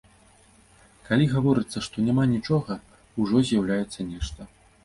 Калі гаворыцца, што няма нічога, ужо з'яўляецца нешта.